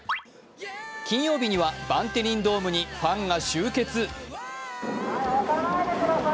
金曜日にはバンテリンドームにファンが集結。